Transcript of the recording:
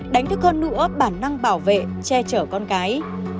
đánh thức hơn nụ ớt bản năng bảo vệ che chở con cái